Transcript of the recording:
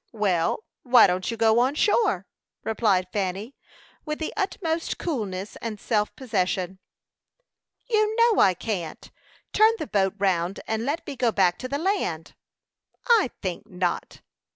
"Well, why don't you go on shore?" replied Fanny, with the utmost coolness and self possession. "You know I can't. Turn the boat round, and let me go back to the land." "I think not."